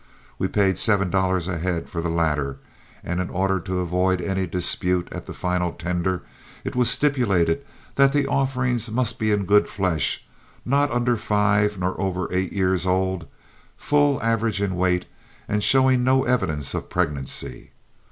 We paid seven dollars a head for the latter, and in order to avoid any dispute at the final tender it was stipulated that the offerings must be in good flesh, not under five nor over eight years old, full average in weight, and showing no evidence of pregnancy.